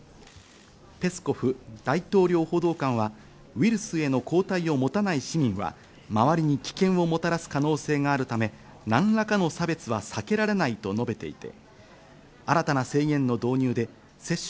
ペスコフ大統領報道官はウイルスへの抗体を持たない市民は周りに危険をもたらす可能性があるため、何らかの差別は避けられないと述べていて、